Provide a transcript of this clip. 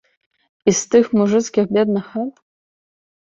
І з тых мужыцкіх бедных хат?